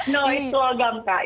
no itu agama kak